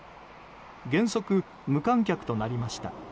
原則無観客となりました。